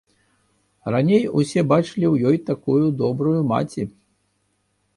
Раней усе бачылі ў ёй такую добрую маці.